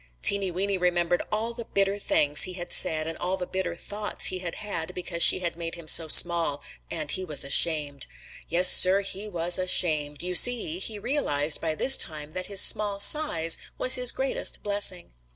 Teeny Weeny remembered all the bitter things he had said and all the bitter thoughts he had had because she had made him so small, and he was ashamed. Yes, Sir, he was ashamed. You see, he realized by this time that his small size was his greatest blessing.